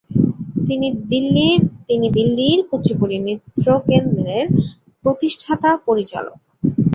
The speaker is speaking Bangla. তিনি দিল্লির কুচিপুড়ি নৃত্য কেন্দ্রের প্রতিষ্ঠাতা-পরিচালক।